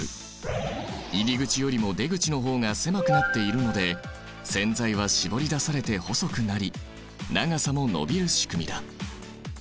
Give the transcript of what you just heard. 入り口よりも出口の方が狭くなっているので線材は絞り出されて細くなり長さも延びる仕組みだ。